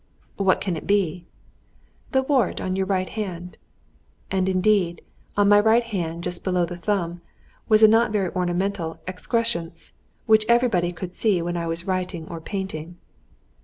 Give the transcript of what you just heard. "What can it be?" "The wart on your right hand." And, indeed, on my right hand, just below the thumb, was a not very ornamental excrescence, which everybody could see when I was writing or painting.